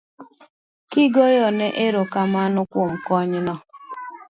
kigoyonego erokamano kuom konyno.